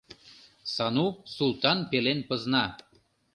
— Сану Султан пелен пызна.